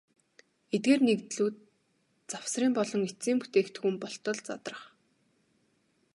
Эдгээр нэгдлүүд завсрын болон эцсийн бүтээгдэхүүн болтол задрах.